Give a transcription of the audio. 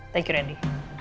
thank you randy